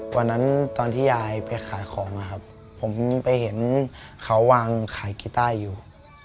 ตอนที่ยายไปขายของนะครับผมไปเห็นเขาวางขายกีต้าอยู่